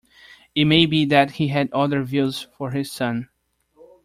It may be that he had other views for his son.